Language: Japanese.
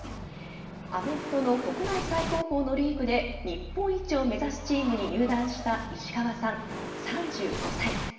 アメフトの国内最高峰のリーグで日本一を目指すチームに入団した石川さん、３５歳。